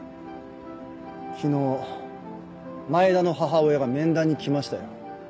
昨日前田の母親が面談に来ましたよ。